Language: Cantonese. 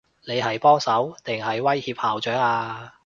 你係幫手，定係威脅校長啊？